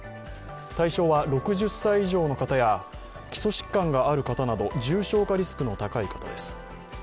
対象は６０歳以上の方や基礎疾患がある方など重症化リスクの高い方です。